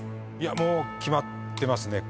もう決まってますね。